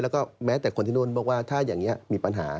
แล้วก็แม้แต่คนที่นู่นบอกว่าถ้าอย่างนี้มีปัญหา